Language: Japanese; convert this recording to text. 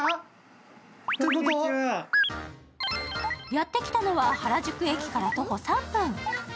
やってきたのは、原宿駅から徒歩３分。